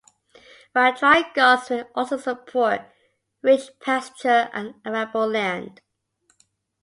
While dry, "goz" may also support rich pasture and arable land.